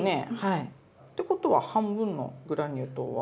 てことは半分のグラニュー糖は。